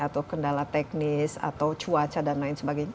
atau kendala teknis atau cuaca dan lain sebagainya